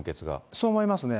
そう思いますね。